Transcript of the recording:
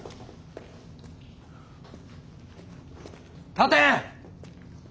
立て！